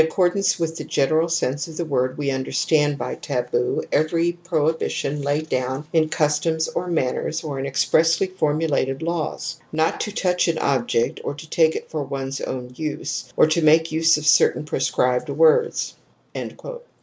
THE AMBIVALENCE OF EMOTIONS 80 ance with the general sense of the word we understand by taboo every prohibition laid down in customs or manners or in expressly formulated laws, not to touch an object or to take it for one's own use, or to make use of certain proscribed words.